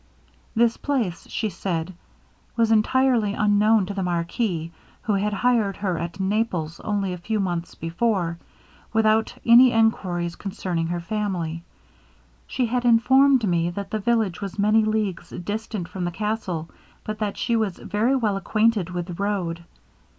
This place, she said, was entirely unknown to the marquis, who had hired her at Naples only a few months before, without any enquiries concerning her family. She had informed me that the village was many leagues distant from the castle, but that she was very well acquainted with the road.